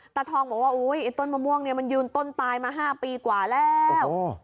ตะทองบอกว่าต้นมะม่วงมันยืนต้นตายมา๕ปีกว่าแล้ว